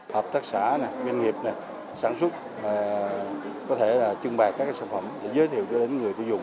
hợp tác xã doanh nghiệp sản xuất có thể trưng bày các sản phẩm giới thiệu cho người tiêu dùng